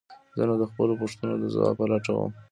زه نو د خپلو پوښتنو د ځواب په لټه وم.